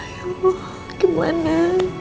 ya allah gimana